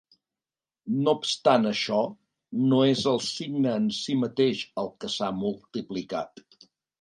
No obstant això, no és el signe en si mateix el que s'ha multiplicat.